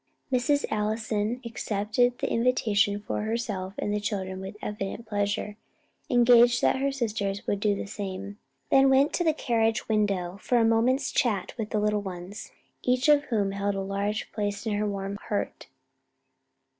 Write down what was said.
Mrs. Allison accepted the invitation for herself and children with evident pleasure, engaged that her sisters would do the same; then went to the carriage window for a moment's chat with the little ones, each of whom held a large place in her warm heart.